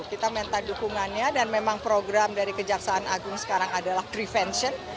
kita minta dukungannya dan memang program dari kejaksaan agung sekarang adalah prevention